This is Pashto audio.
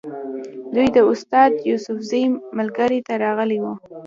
دوی د استاد یوسفزي سالګرې ته راغلي وو.